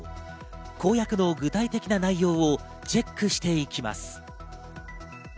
公約の具体的な内容をチェックしていきます。